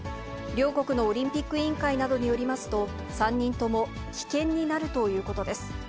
両国のオリンピック委員会などによりますと、３人とも棄権になるということです。